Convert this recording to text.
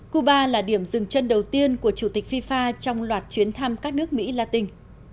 cuba là điểm dừng chân đầu tiên của chủ tịch fifa trong loạt chuyến thăm các nước mỹ latin